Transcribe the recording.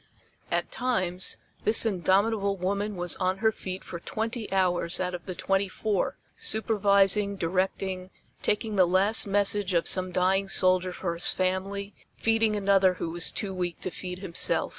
At times this indomitable woman was on her feet for twenty hours out of the twenty four, supervising, directing, taking the last message of some dying soldier for his family, feeding another who was too weak to feed himself.